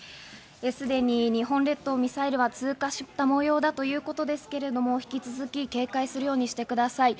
すでに日本列島をミサイルは通過した模様だということですけれども、引き続き警戒するようにしてください。